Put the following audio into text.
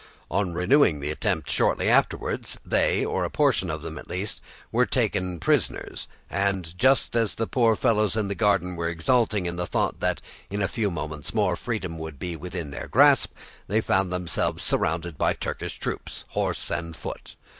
On renewing the attempt shortly afterwards, they, or a portion of them at least, were taken prisoners, and just as the poor fellows in the garden were exulting in the thought that in a few moments more freedom would be within their grasp, they found themselves surrounded by Turkish troops, horse and foot.